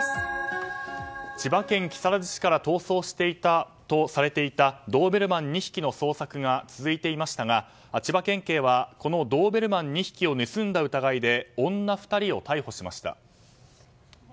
千葉県木更津市から逃走していたとされていたドーベルマン２匹の捜索が続いていましたが千葉県警はこのドーベルマン２匹を盗んだ疑いで女２人を逮捕しました。